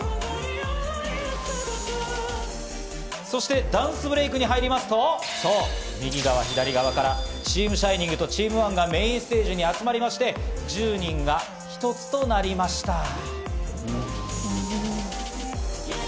そしてダンスブレイクに入りますと、そう右側左側からチームＳｈｉｎｉｎｇとチームＯｎｅがメインステージに集まりまして、１０人が一つとなりました。